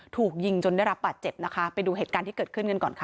ถูกยิงจนได้รับบาดเจ็บนะคะไปดูเหตุการณ์ที่เกิดขึ้นกันก่อนค่ะ